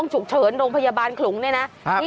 โอ้โหโอ้โหโอ้โหโอ้โห